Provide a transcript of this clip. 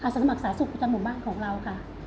อสมัครสาธารณ์สูตรกุฎาหมู่บ้านของเราค่ะ